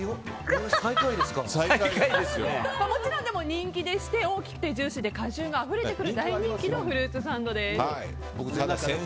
もちろん人気でして大きくてジューシーで果汁があふれてくる大人気のフルーツサンドです。